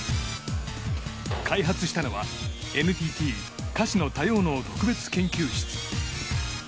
開発したのはＮＴＴ柏野多様脳特別研究室。